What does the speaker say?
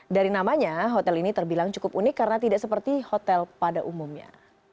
dari namanya hotel ini terbilang cukup unik karena tidak seperti hotel pada umumnya